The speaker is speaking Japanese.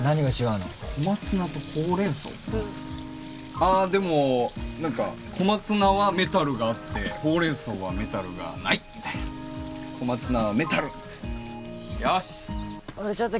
うんあでも何か小松菜はメタルがあってほうれんそうはメタルがないみたいな小松菜はメタルよしっ